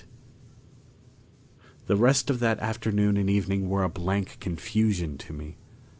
VIII The rest of that afternoon and evening were a blank confusion to me.